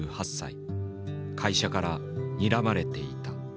会社からにらまれていた。